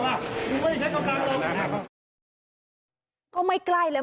เฮ้ยมึงเจ๋งจริงมานี่ดีกว่าว่ะ